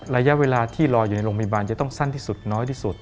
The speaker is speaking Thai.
ระยะเวลาที่รออยู่ในโรงพยาบาลจะต้องสั้นที่สุดน้อยที่สุด